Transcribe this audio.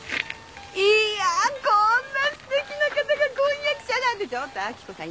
いやこんなすてきな方が婚約者なんてちょっと明子さん